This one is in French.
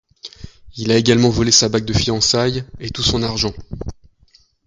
Il a également volé sa bague de fiançailles et tout son argent.